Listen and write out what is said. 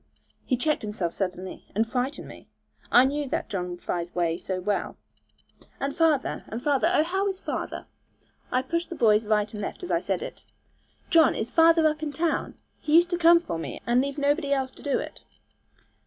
He checked himself suddenly, and frightened me. I knew that John Fry's way so well. 'And father, and father oh, how is father?' I pushed the boys right and left as I said it. 'John, is father up in town! He always used to come for me, and leave nobody else to do it.'